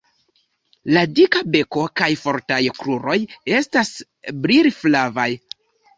La dika beko kaj fortaj kruroj estas brilflavaj.